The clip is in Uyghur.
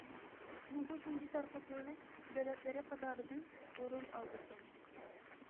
جۇڭگو تۇنجى تارقىتىلىش دۆلەتلىرى قاتارىدىن ئورۇن ئالىدىكەن.